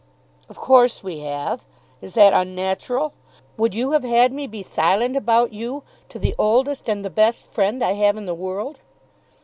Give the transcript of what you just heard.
"Of course we have. Is that unnatural? Would you have had me be silent about you to the oldest and the best friend I have in the world?"